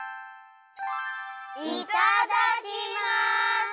いただきます！